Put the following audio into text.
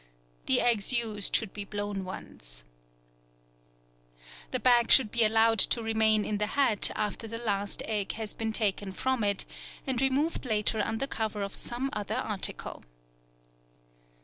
The eggs used should be blown ones. The bag should be allowed to remain in the hat after the last egg has been taken from it, and removed later under cover of some other article.